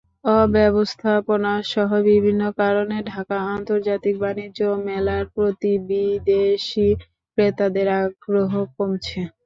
অব্যবস্থাপনাসহ বিভিন্ন কারণে ঢাকা আন্তর্জাতিক বাণিজ্য মেলার প্রতি বিদেশি ক্রেতাদের আগ্রহ কমছে।